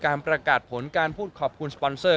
ประกาศผลการพูดขอบคุณสปอนเซอร์